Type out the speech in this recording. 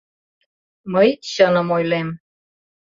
— Мый чыным ойлем.